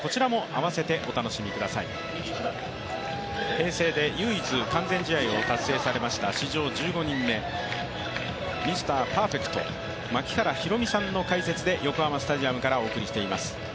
平成で唯一完全試合を達成されました、史上１５人目、ミスターパーフェクト・槙原寛己さんの解説で横浜スタジアムからお送りしています。